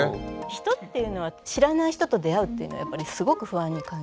人っていうのは知らない人と出会うっていうのはやっぱりすごく不安に感じる。